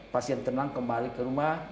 pasien tenang kembali ke rumah